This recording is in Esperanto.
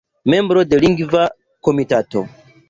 Membro de Lingva Komitato.